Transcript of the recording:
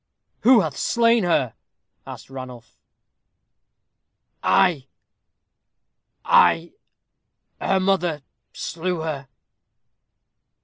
"Who hath slain her?" asked Ranulph. "I I her mother, slew her."